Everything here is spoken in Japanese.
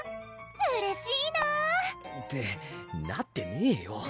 うれしいな！ってなってねぇよ